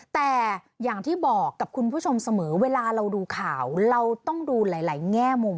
แต่อย่างที่บอกกับคุณผู้ชมเสมอเวลาเราดูข่าวเราต้องดูหลายแง่มุม